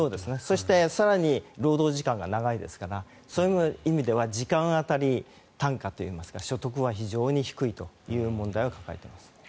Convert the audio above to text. そして更に労働時間が長いですから時間当たり単価といいますか所得は非常に低いという問題を抱えています。